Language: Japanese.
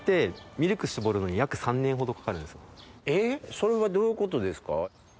それはどういうことですか？